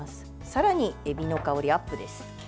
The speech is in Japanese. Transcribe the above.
さらにエビの香りアップです。